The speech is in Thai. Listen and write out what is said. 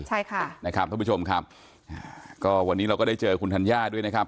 ใช่ค่ะนะครับท่านผู้ชมครับอ่าก็วันนี้เราก็ได้เจอคุณธัญญาด้วยนะครับ